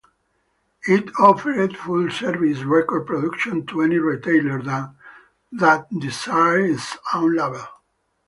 It offered full-service record production to any retailer that desired its own label.